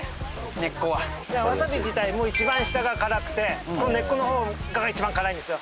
根っこはわさび自体も一番下が辛くてこの根っこの方が一番辛いんですよ